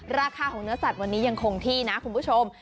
ราคาของเนื้อสัตว์วันนี้ยังคงที่นะคุณผู้ชม